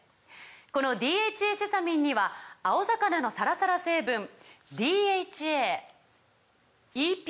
この「ＤＨＡセサミン」には青魚のサラサラ成分ＤＨＡＥＰＡ